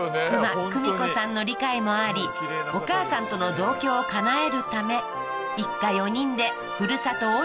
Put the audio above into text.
妻久美子さんの理解もありお母さんとの同居をかなえるため一家４人でふるさと